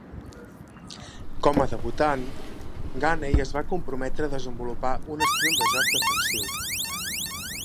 Com a debutant, Gainey es va comprometre a desenvolupar un estil de joc defensiu.